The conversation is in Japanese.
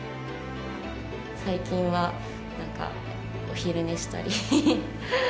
最近は、なんか、お昼寝したり。